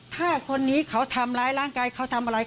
ถ้าคนนี้เขาทำร้ายร่างกายเขาทำอะไร